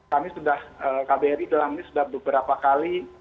kami sudah kbri dalam ini sudah beberapa kali